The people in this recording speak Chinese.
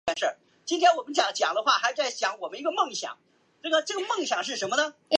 山东省济宁直隶州人。